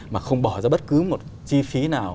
mà không bỏ ra bất cứ một chi phí nào